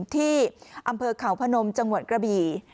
ที่อำเภอเขาพนมจังหวัดกระบี่